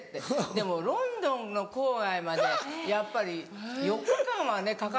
でもロンドンの郊外までやっぱり４日間はねかかる。